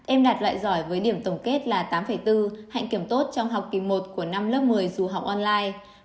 em đạt loại giỏi với điểm tổng kết là tám bốn hạnh kiểm tốt trong học kỳ một của năm lớp một mươi dù học online